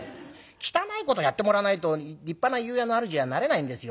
汚いことやってもらわないと立派な湯屋のあるじにはなれないんですよ」。